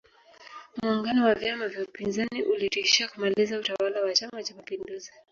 muungano wa vyama vya upinzani ulitishia kumaliza utawala wa chama cha mapinduzi